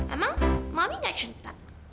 emang mami gak jemput